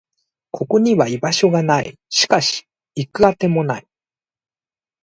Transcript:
ここには居場所がない。しかし、行く当てもない。